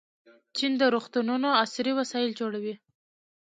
چین د روغتونونو عصري وسایل جوړوي.